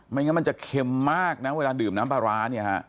ไม่งั้นมันจะเค็มมากนะเวลาดื่มน้ำปลาร้า